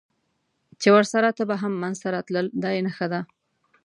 چې ورسره تبه هم منځته راتلل، دا یې نښه ده.